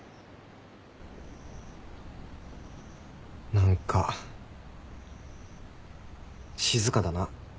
何か静かだな。